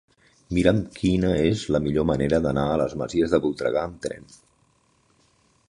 Mira'm quina és la millor manera d'anar a les Masies de Voltregà amb tren.